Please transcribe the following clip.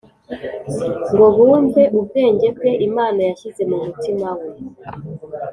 ngo bumve ubwenge bwe Imana yashyize mu mutima we